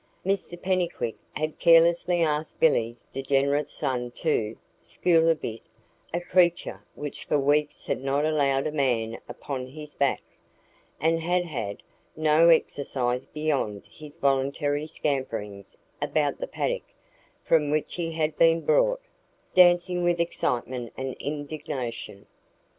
Mr Pennycuick had carelessly asked Billy's degenerate son to "school a bit" a creature which for weeks had not allowed a man upon his back, and had had no exercise beyond his voluntary scamperings about the paddock from which he had been brought, dancing with excitement and indignation.